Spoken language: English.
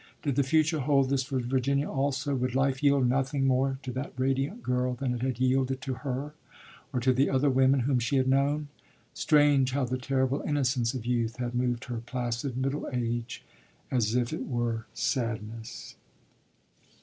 Did the future hold this for Virginia also? Would life yield nothing more to that radiant girl than it had yielded to her or to the other women whom she had known? Strange how the terrible innocence of youth had moved her placid middle age as if it were sadness!